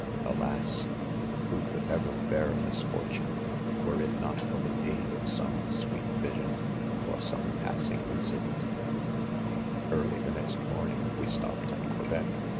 Alas ! who could, ever bear misfortune, were, it not for the aid of ■> some sweet vision or some passing incident 1 * Early the next morning, we stopped at Quebec.